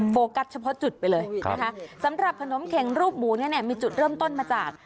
โฟกัสเฉพาะจุดไปเลยนะคะสำหรับขนมเข็งรูปหมูเนี่ยมีจุดเริ่มต้นมาจาก